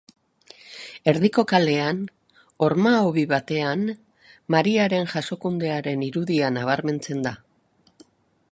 Erdiko kalean, horma-hobi batean, Mariaren Jasokundearen irudia nabarmentzen da.